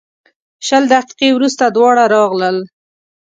شل دقیقې وروسته دواړه راغلل.